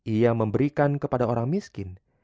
ia memberikan kepada orang miskin